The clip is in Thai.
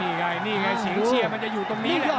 นี่ค่ะนี่ค่ะชิงเชียมมันจะอยู่ตรงนี้แหละ